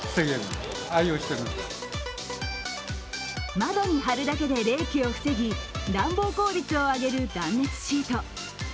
窓に貼るだけで冷気を防ぎ、暖房効率を上げる断熱シート。